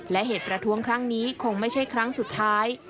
และเหตุประท้วงครั้งนี้คงไม่ใช่ครั้งสุดท้าย